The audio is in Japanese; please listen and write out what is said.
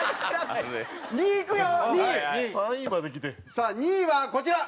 さあ２位はこちら。